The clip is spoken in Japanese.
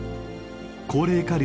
高齢化率